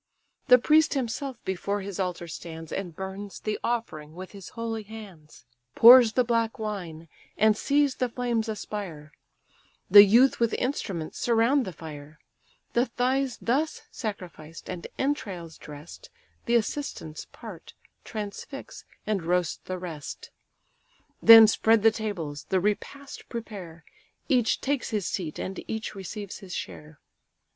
The priest himself before his altar stands, And burns the offering with his holy hands. Pours the black wine, and sees the flames aspire; The youth with instruments surround the fire: The thighs thus sacrificed, and entrails dress'd, The assistants part, transfix, and roast the rest: Then spread the tables, the repast prepare; Each takes his seat, and each receives his share.